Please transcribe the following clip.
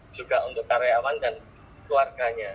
juga untuk karyawan dan keluarganya